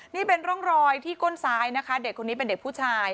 นี่เป็นร่องรอยที่ก้นซ้ายนะคะเด็กคนนี้เป็นเด็กผู้ชาย